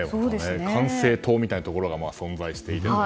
管制塔みたいなところが存在していてという。